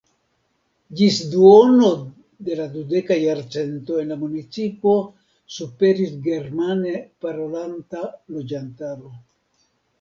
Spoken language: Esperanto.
Ĝis duono de la dudeka jarcento en la municipo superis germane parolanta loĝantaro.